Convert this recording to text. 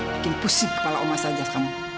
makin pusing kepala oma saja sekarang